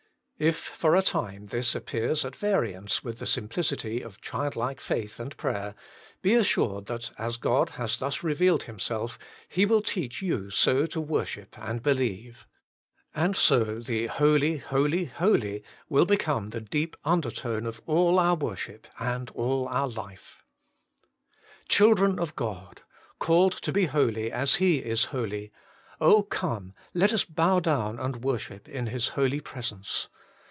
If for a time this appears at variance with the simplicity of B 114 HOLY IN CHKIST. childlike faith and prayer, be assured that as God has thus revealed Himself, He will teach you so to worship and believe. And so the Holy, holy, holy will become the deep undertone of all our worship and all our life. Children of God ! called to be holy as He is holy, oh, come let us bow down and worship in His holy presence